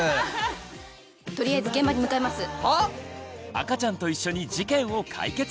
赤ちゃんと一緒に事件を解決！